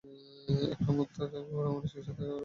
একটা মুক্ত ঘোড়া মানুষের সাথে থাকতে পারে না।